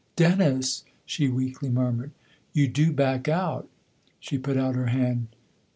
" Dennis !" she weakly murmured. " You do back out ?" She put out her hand.